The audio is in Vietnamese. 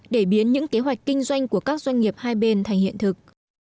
để biến những kế hoạch kinh doanh của các doanh nghiệp hai bên thành hiện thực